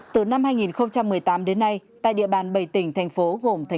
từ năm hai nghìn một mươi tám đến nay tại địa bàn bảy tỉnh thành phố gồm tp hcm